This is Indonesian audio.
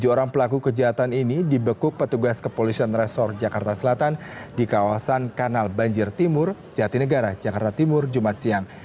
tujuh orang pelaku kejahatan ini dibekuk petugas kepolisian resor jakarta selatan di kawasan kanal banjir timur jatinegara jakarta timur jumat siang